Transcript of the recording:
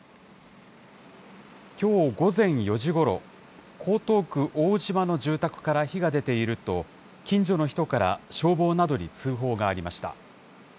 きょう午前４時ごろ、江東区大島の住宅から火が出ていると、近所の人から消防などに通報がありました。